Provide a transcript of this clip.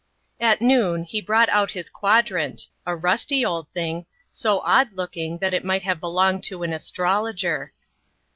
At noon he brought out his quadrant, a rusty old thing, so odd looking that it might have belonged to an astrologer.